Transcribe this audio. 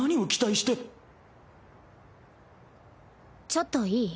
ちょっといい？